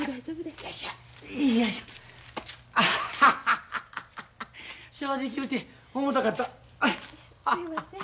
すいません。